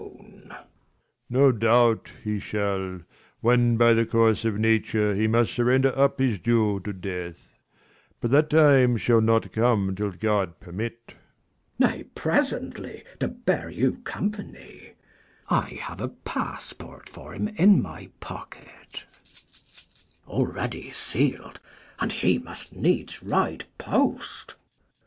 Leir. No doubt, he shall, when by the course of nature, He must surrender up his due to death : But that time shall not come till God permit. 235 Mess. Nay, presently, to bear you company. I have a passport for him in my pocket, 68 KING LEIR AND [Acr IV Already seal'd, and he must needs ride post.